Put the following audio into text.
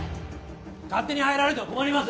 ・勝手に入られては困ります